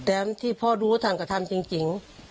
อาดูว์ท่านกระทำจริง